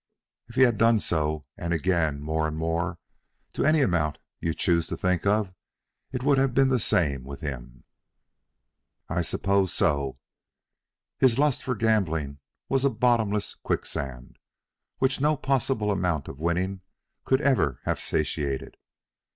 If he had done so then, and again more and more, to any amount you choose to think of, it would have been the same with him." "I suppose so." "His lust for gambling was a bottomless quicksand, which no possible amount of winning could ever have satiated.